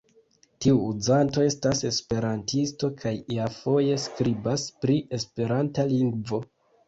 Tiu uzanto estas esperantisto kaj iafoje skribas pri esperanta lingvo.